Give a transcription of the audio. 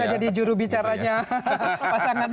sudah jadi jurubicaranya pasangan